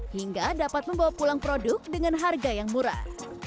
hingga dapat membawa pulang produk dengan harga yang murah